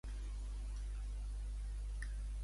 Què feia Ifimèdia quan estava enamorada de Posidó?